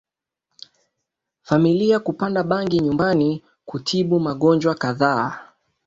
familia kupanda bangi nyumbani kutibu magonjwa kadhaa